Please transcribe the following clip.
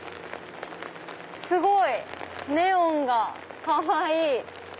すごい！ネオンがかわいい！